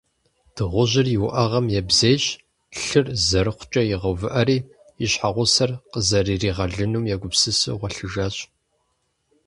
Дыгъужьыр и уӀэгъэм ебзейщ, лъыр, зэрыхъукӀэ игъэувыӀэри, и щхьэгъусэр къызэрыригъэлынум егупсысу гъуэлъыжащ.